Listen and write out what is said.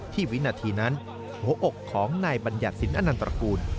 วินาทีนั้นหัวอกของนายบัญญัติสินอนันตระกูล